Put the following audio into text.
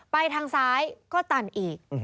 ไปทางซ้ายก็ตันอีก